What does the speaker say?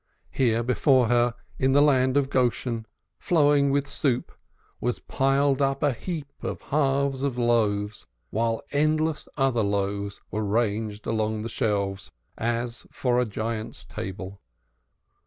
Here before her, in the land of Goshen, flowing with soup, was piled up a heap of halves of loaves, while endless other loaves were ranged along the shelves as for a giant's table.